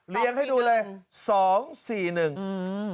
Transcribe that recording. เรียงให้ดูเลย